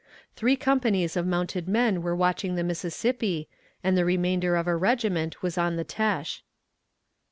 Three companies of mounted men were watching the Mississippi, and the remainder of a regiment was on the Têche.